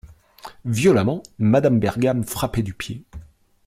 Violemment, Madame Bergam frappait du pied.